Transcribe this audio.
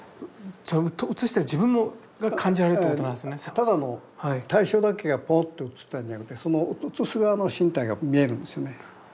ただの対象だけがポッと写ったんじゃなくてその写す側の心体が見えるんですよね。